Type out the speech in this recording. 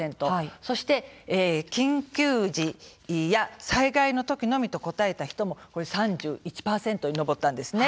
そして緊急時や災害のときのみと答えた人も３１％に上ったんです。